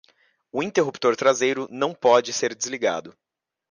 O interruptor traseiro não pode ser desligado.